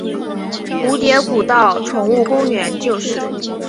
蝴蝶谷道宠物公园就是。